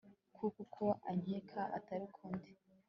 kuko, uko ankeka, atari ko ndi